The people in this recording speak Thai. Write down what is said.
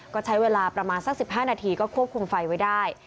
ก็ใช้เวลาประมาณสัก๑๕นาทีก็ควบคุมไฟไว้ได้